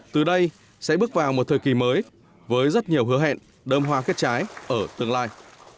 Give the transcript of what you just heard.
từ đây sẽ bước vào một thời kỳ mới với rất nhiều hứa hẹn đơm hoa kết trái ở tương lai